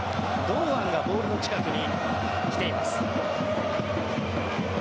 堂安がボールの近くに来ています。